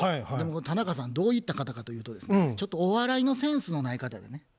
田中さんどういった方かというとですねちょっとお笑いのセンスのない方やね。